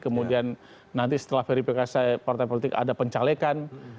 kemudian nanti setelah verifikasi partai politik ada pencalekan